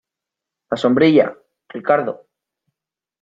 la sombrilla, Ricardo.